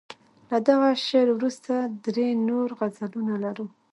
له دغه شعر وروسته درې نور غزلونه لرو.